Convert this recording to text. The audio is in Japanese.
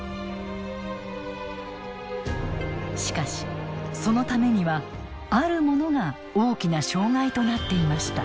しかしそのためにはあるものが大きな障害となっていました。